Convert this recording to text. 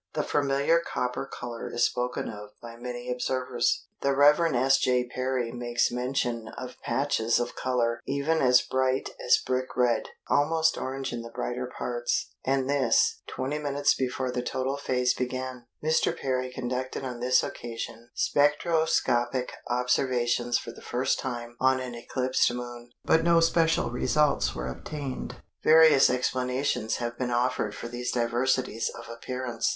The familiar copper colour is spoken of by many observers. The Rev. S. J. Perry makes mention of patches of colour even as bright as "brick red, almost orange in the brighter parts," and this, 20 minutes before the total phase began. Mr. Perry conducted on this occasion spectroscopic observations for the first time on an eclipsed Moon, but no special results were obtained. Various explanations have been offered for these diversities of appearance.